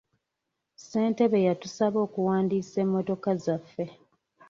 Ssentebe yatusaba okuwandiisa emmotoka zaffe.